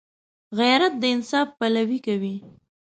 غیرت د انصاف پلوي کوي